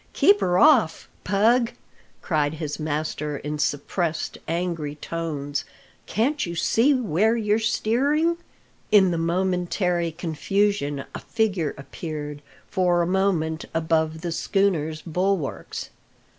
"Keep her off, Pug!" cried his master in suppressed, half angry tones. "Can't you see where you're steering?" In the momentary confusion a figure appeared for a moment above the schooner's bulwarks.